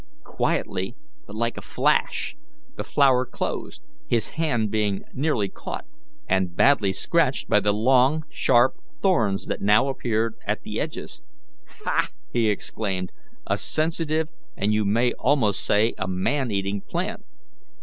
Quietly, but like a flash, the flower closed, his hand being nearly caught and badly scratched by the long, sharp thorns that now appeared at the edges. "Ha!" he exclaimed, "a sensitive and you may almost say a man eating plant.